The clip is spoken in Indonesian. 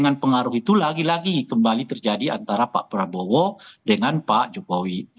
dengan pengaruh itu lagi lagi kembali terjadi antara pak prabowo dengan pak jokowi